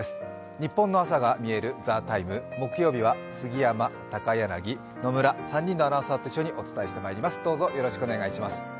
ニッポンの朝がみえる「ＴＨＥＴＩＭＥ，」木曜日は杉山、高柳、野村、３人のアナウンサーと一緒にお伝えしてまいります。